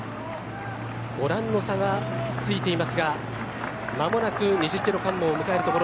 ご覧の差がついていますが間もなく２０キロ関門を迎えるところ。